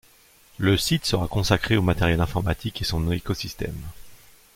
Le site sera consacré au matériel informatique et son écosystème.